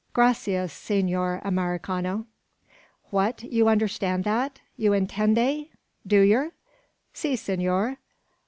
"Gracias, Senor Americano!" "What! you understand that? You intende, do yer?" "Si, senor!"